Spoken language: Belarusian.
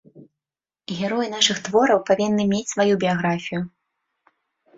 Героі нашых твораў павінны мець сваю біяграфію.